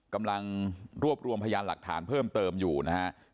กำลังรวบรวมพยานหลักฐานเพิ่มเติมอยู่นะฮะ